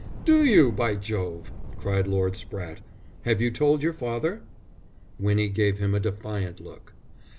"Do you, by Jove!" cried Lord Spratte. "Have you told your father?" Winnie gave him a defiant look.